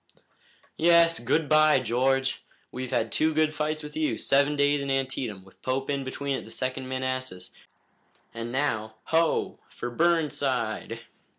"Yes, good bye, George! We've had two good fights with you, Seven Days and Antietam, with Pope in between at the Second Manassas, and now, ho! for Burnside!"